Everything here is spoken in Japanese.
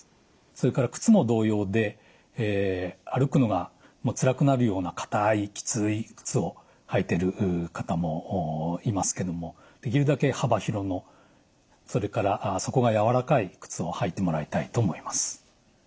それから靴も同様で歩くのがつらくなるような硬いきつい靴を履いてる方もいますけどもできるだけ幅広のそれから底が軟らかい靴を履いてもらいたいと思います。